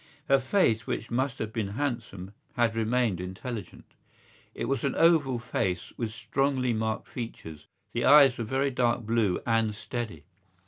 Her face, which must have been handsome, had remained intelligent. It was an oval face with strongly marked features. The eyes were very dark blue and steady.